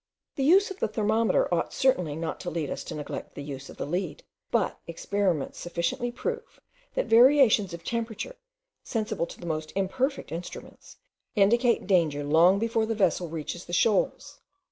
The use of the thermometer ought certainly not to lead us to neglect the use of the lead; but experiments sufficiently prove, that variations of temperature, sensible to the most imperfect instruments, indicate danger long before the vessel reaches the shoals.